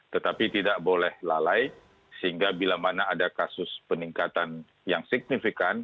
tetapi tidak boleh lalai sehingga bila mana ada kasus peningkatan yang signifikan